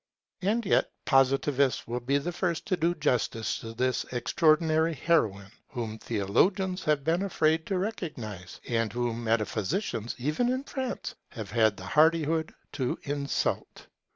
And yet Positivists will be the first to do justice to this extraordinary heroine, whom theologians have been afraid to recognize, and whom metaphysicians, even in France, have had the hardihood to insult.